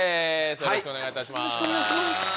よろしくお願いします。